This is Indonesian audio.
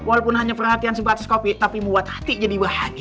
walaupun hanya perhatian sebatas kopi tapi buat hati jadi bahagia